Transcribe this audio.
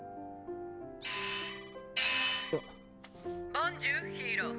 「ボンジュールヒーロー！